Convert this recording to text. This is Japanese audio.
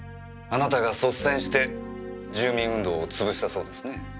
あなたが率先して住民運動をつぶしたそうですね。